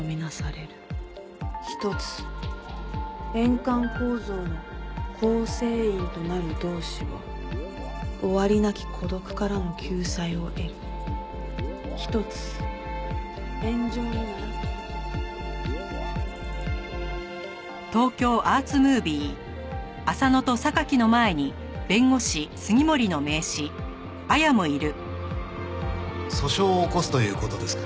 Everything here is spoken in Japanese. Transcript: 「一、円環構造の構成員となる同志は終わりなき孤独からの救済を得る」訴訟を起こすという事ですか？